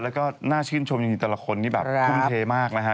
แล้วก็น่าชื่นชมจริงแต่ละคนนี้แบบทุ่มเทมากนะฮะ